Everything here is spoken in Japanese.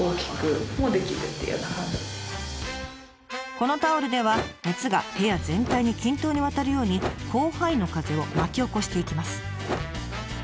このタオルでは熱が部屋全体に均等に渡るように広範囲の風を巻き起こしていきます。